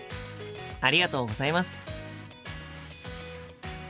ありがとうございます。